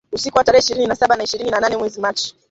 usiku wa tarehe ishirni na saba na ishirini na nane mwezi Machi